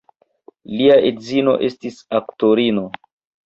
Lia edzino estis aktorino.